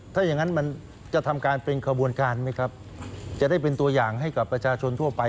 ถ้าอย่างนั้นมันจะทำการเป็นขบวนการไหมครับจะได้เป็นตัวอย่างให้กับประชาชนทั่วไป